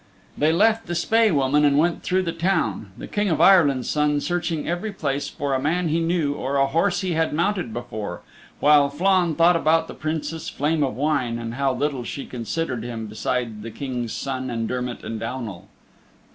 They left the Spae Woman and went through the town, the King of Ireland's Son searching every place for a man he knew or a horse he had mounted before, while Flann thought about the Princess Flame of Wine, and how little she considered him beside the King's Son and Dermott and Downal.